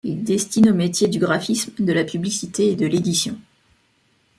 Il destine aux métiers du graphisme, de la publicité et de l'édition.